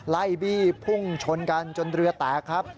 ไล่บี้พุ่งชนกันจนเรือแตกครับ